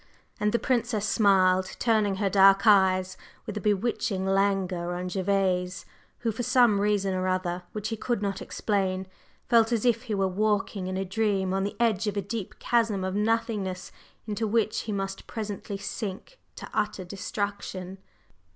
and the Princess smiled, turning her dark eyes with a bewitching languor on Gervase, who, for some reason or other which he could not explain, felt as if he were walking in a dream on the edge of a deep chasm of nothingness, into which he must presently sink to utter destruction.